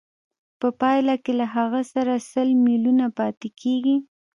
په پایله کې له هغه سره سل میلیونه پاتېږي